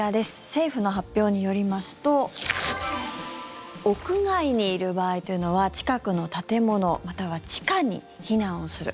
政府の発表によりますと屋外にいる場合というのは近くの建物または地下に避難をする。